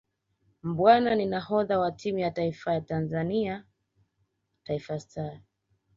Mbwana ni nahodha wa timu ya taifa ya Tanzania Taifa Stars